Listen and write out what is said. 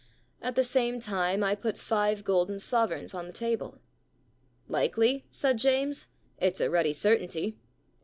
At the same time I put five golden sovereigns on the table. *" Likely ?" said James. It's a ruddy certainty.'